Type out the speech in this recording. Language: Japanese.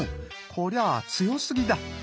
こりゃあ強すぎだ！